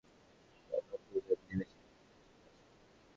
একসময় একই প্রতিষ্ঠানে সহকর্মী থাকলেও এখন দুজন দুই বেসরকারি টেলিভিশনে কাজ করি।